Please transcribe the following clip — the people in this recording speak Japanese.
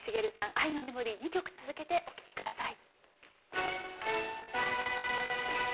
「愛のメモリー」２曲続けてお聴き下さい。